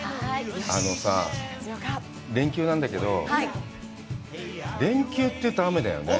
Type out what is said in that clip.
あのさ、連休なんだけど、連休というと雨だよね。